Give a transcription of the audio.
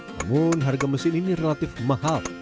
namun harga mesin ini relatif mahal